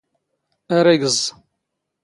ⴰⵔ ⵉⴳⵥⵥ?